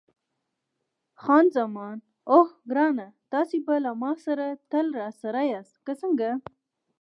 خان زمان: اوه ګرانه، تاسي به له ما سره تل راسره یاست، که څنګه؟